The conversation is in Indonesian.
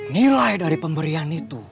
nilai dari pemberian itu